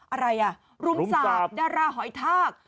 อะไรอ่ะรุมสาปดาราหอยทาก